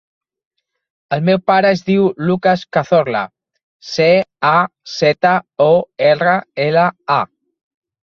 El meu pare es diu Lucas Cazorla: ce, a, zeta, o, erra, ela, a.